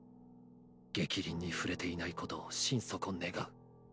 逆鱗に触れていないことを心底願う。